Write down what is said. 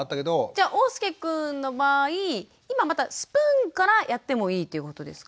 じゃおうすけくんの場合今またスプーンからやってもいいっていうことですかね？